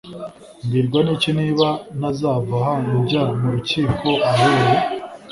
mbwirwa n’iki niba ntazava aha njya mu rukiko ayoboye?